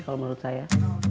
kalau menurut saya